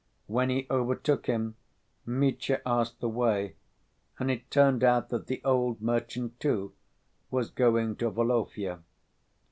When he overtook him, Mitya asked the way, and it turned out that the old merchant, too, was going to Volovya.